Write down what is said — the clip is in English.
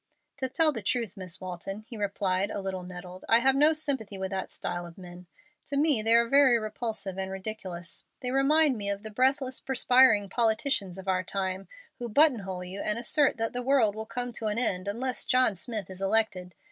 "To tell the truth, Miss Walton," he replied, a little nettled, "I have no sympathy with that style of men. To me they are very repulsive and ridiculous. They remind me of the breathless, perspiring politicians of our time, who button hole you and assert that the world will come to an end unless John Smith is elected.